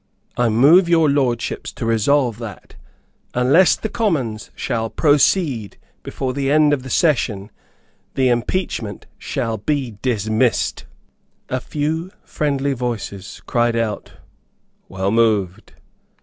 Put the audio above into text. I move your Lordships to resolve that, unless the Commons shall proceed before the end of the session, the impeachment shall be dismissed." A few friendly voices cried out "Well moved."